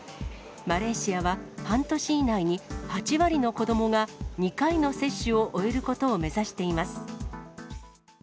マレーシアは、半年以内に８割の子どもが２回の接種を終えることを目指しています。